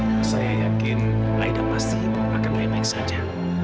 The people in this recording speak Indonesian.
bu saya yakin aida pasti akan baik baik saja